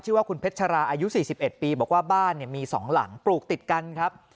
ว่าคุณเพชราอายุ๔๑ปีบอกว่าบ้านมี๒หลังปลูกติดกันครับ